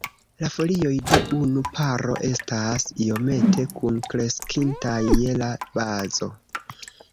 La folioj de unu paro estas iomete kunkreskintaj je la bazo.